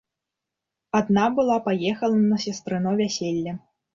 Адна была паехала на сястрыно вяселле.